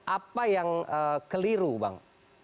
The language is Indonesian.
apa yang keliru bang